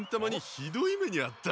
ひどい目にあった。